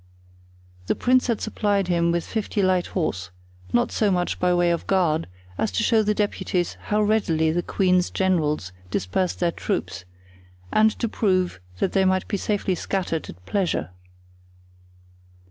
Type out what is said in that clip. The prince had supplied him with fifty light horse, not so much by way of guard as to show the deputies how readily the queen's generals dispersed their troops and to prove that they might be safely scattered at pleasure.